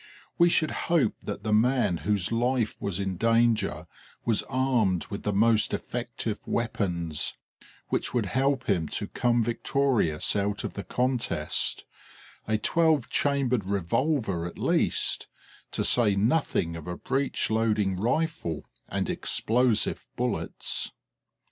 We should hope that the man whose life was in danger was armed with the most effective weapons, which would help him to come victorious out of the contest: a twelve chambered revolver at least, to say nothing of a breech loading rifle and explosive bullets!